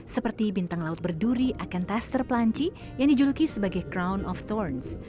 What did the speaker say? seperti bintang laut berduri akanthaster pelanci yang dijuluki sebagai crown of thorns